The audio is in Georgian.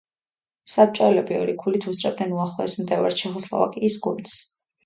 საბჭოელები ორი ქულით უსწრებდნენ უახლოეს მდევარს, ჩეხოსლოვაკიის გუნდს.